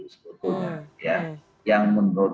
sebetulnya yang menurut